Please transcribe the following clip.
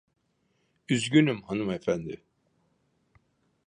Üzgünüm hanımefendi.